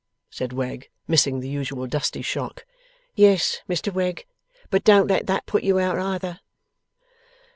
said Wegg, missing the usual dusty shock. 'Yes, Mr Wegg. But don't let that put you out, either.